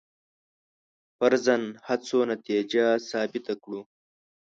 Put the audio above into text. فرضاً هڅو نتیجه ثابته کړو.